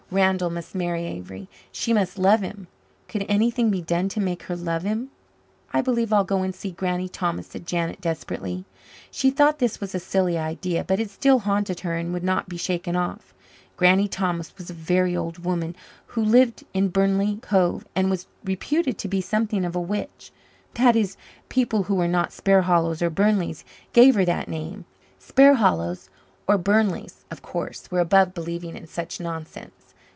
Randall must marry Avery, and she must love him. Could anything be done to make her love him? "I believe I'll go and see Granny Thomas," said Janet desperately. She thought this was a silly idea, but it still haunted her and would not be shaken off. Granny Thomas was a very old woman who lived at Burnley Cove and was reputed to be something of a witch. That is, people who were not Sparhallows or Burnleys gave her that name. Sparhallows or Burnleys, of course, were above believing in such nonsense.